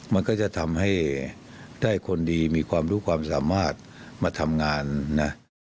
มันก็จะทำให้ได้คนดีมีความรู้ความสามารถมาทำงานนะ